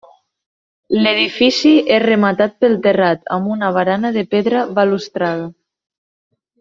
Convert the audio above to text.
L'edifici és rematat pel terrat, amb una barana de pedra balustrada.